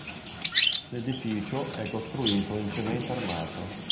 L'edificio è costruito in cemento armato.